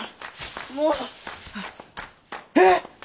もう。えっ！？